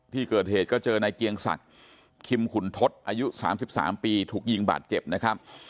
ที่เกิดเหตุก็เจอในเกียงศักดิ์คิมขุนทศอายุ๓๓ปีถูกยิงบาดเจ็บนะครับ